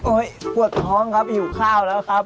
ปวดท้องครับหิวข้าวแล้วครับ